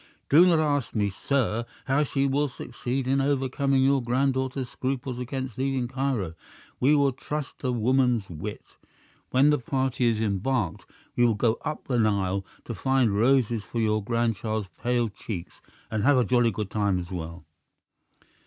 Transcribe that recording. Do not ask me, sir, how she will succeed in overcoming your granddaughter's scruples against leaving Cairo. We will trust to woman's wit. When the party is embarked, we go up the Nile, to find roses for your grandchild's pale cheeks and have a jolly good time as well."